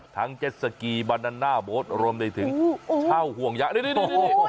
ทั้งเจ็ดสกีบานานน่าโบ๊ทรวมได้ถึงเช่าห่วงยาง